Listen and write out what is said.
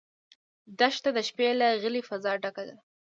دښته د شپې له غلې فضا ډکه ده.